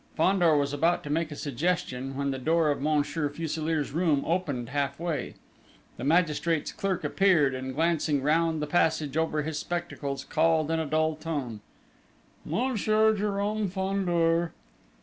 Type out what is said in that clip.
Fandor was about to make a suggestion, when the door of Monsieur Fuselier's room opened half way. The magistrate's clerk appeared, and, glancing round the passage over his spectacles, called, in a dull tone: "Monsieur Jérôme Fandor!"